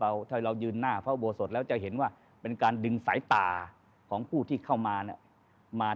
ถ้าเรายืนหน้าพระอุโบสถแล้วจะเห็นว่าเป็นการดึงสายตาของผู้ที่เข้ามาเนี่ยมา